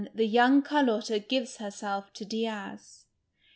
tin: yoimg Carlotta gives herself to Diaz.